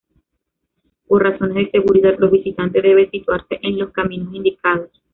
Por razones de seguridad, los visitantes deben situarse en los caminos indicados.